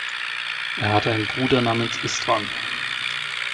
Er hatte einen Bruder namens István.